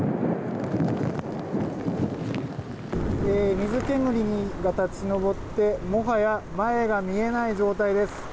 水煙が立ち上ってもはや前が見えない状態です。